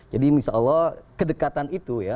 jadi insya allah kedekatan itu ya